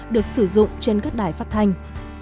được sử dụng trên các đài phát thanh